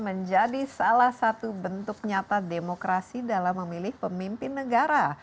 menjadi salah satu bentuk nyata demokrasi dalam memilih pemimpin negara